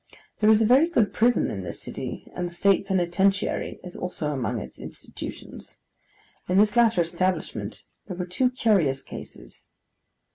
There is a very good prison in this city, and the State Penitentiary is also among its institutions. In this latter establishment there were two curious cases.